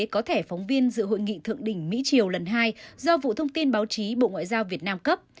có thể phóng viên dự hội nghị thượng đỉnh mỹ triều lần hai do vụ thông tin báo chí bộ ngoại giao việt nam cấp